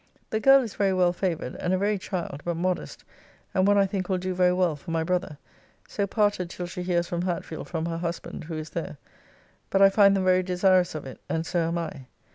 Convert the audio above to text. The girl is very well favoured,, and a very child, but modest, and one I think will do very well for my brother: so parted till she hears from Hatfield from her husband, who is there; but I find them very desirous of it, and so am I.